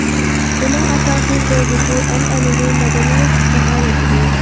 ئۇنىڭ ئاساسىي گەۋدىسى ئەنئەنىۋى مەدەنىيەت تىپىغا ياتىدۇ.